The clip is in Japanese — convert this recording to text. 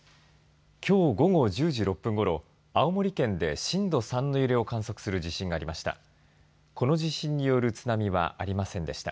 きょう午後１０時６分ごろ青森県で震度３の揺れを観測する地震がありました。